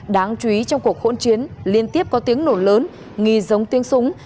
đáng chú ý trong cuộc hỗn chiến liên tiếp có tiếng nổ lớn nghi giống tiếng súng